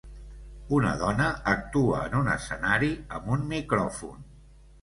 una dona actua en un escenari amb un micròfon.